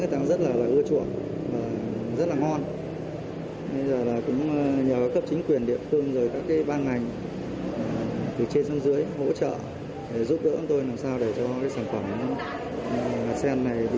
hãy đăng ký kênh để ủng hộ kênh của mình nhé